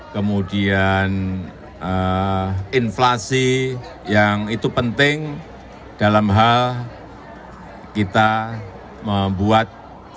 kemudian inflasi yang itu penting dalam hal kita membuat